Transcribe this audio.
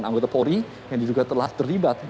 anggota poli yang juga telah terlibat